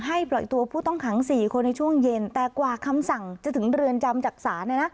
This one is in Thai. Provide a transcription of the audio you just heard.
ปล่อยตัวผู้ต้องขัง๔คนในช่วงเย็นแต่กว่าคำสั่งจะถึงเรือนจำจากศาล